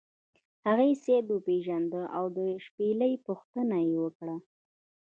هغې سید وپیژنده او د شپیلۍ پوښتنه یې وکړه.